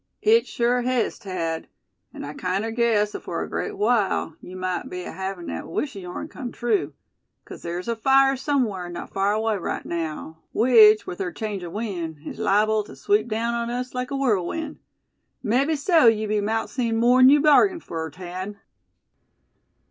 "It sure hes, Thad; and I kinder guess afore a great while yeou might be havin' thet wish o' yeourn kim true; 'cause ther's a fire sumwhar not far away right naow; which, with ther change o' wind, is liable tew sweep daown on us like a whirlwind. Mebbe so be yeou mout see more'n yeou bargained fur, Thad!"